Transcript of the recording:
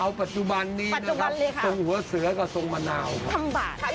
เอาปัจจุบันนี้นะครับส่งหัวเสือกกับส่งมะนาวทั้งบาทครับ